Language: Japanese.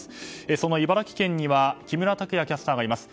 その茨城県には木村拓也キャスターがいます。